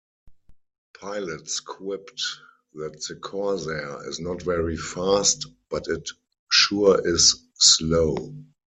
Pilots quipped that the Corsair is not very fast, but it sure is slow.